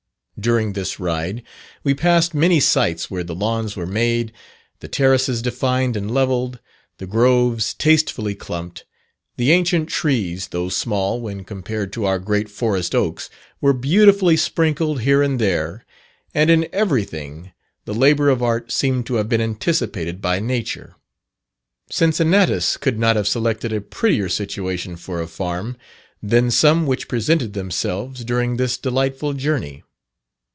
During this ride, we passed many sites where the lawns were made, the terraces defined and levelled, the groves tastefully clumped, the ancient trees, though small when compared to our great forest oaks, were beautifully sprinkled here and there, and in everything the labour of art seemed to have been anticipated by Nature. Cincinnatus could not have selected a prettier situation for a farm, than some which presented themselves, during this delightful journey.